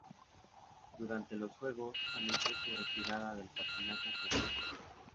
Durante los Juegos, anunció su retirada del patinaje competitivo.